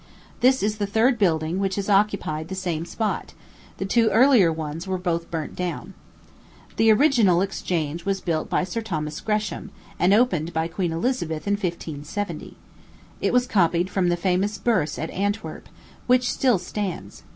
This is the third building which has occupied the same spot the two earlier ones were both burnt down. The original Exchange was built by Sir Thomas Gresham, and opened by Queen Elizabeth in 1570. It was copied from the famous Burse at Antwerp, which still stands.